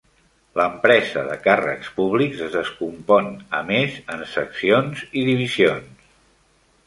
L'empresa de càrrecs públics es descompon a més en seccions i divisions.